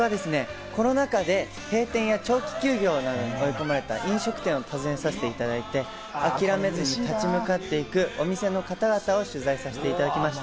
僕はコロナ禍で閉店や長期休業などに追い込まれた飲食店などを訪ねさせていただいて諦めずに立ち向かっていくお店の方々を取材させていただきました。